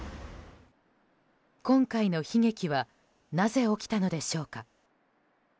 今回の悲劇はなぜ起きたのでしょうか。